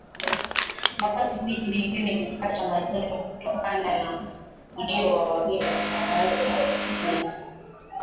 Wakati miji mingine ikipata majina kutokana na ujio wa wageni kuna baadhi ya miji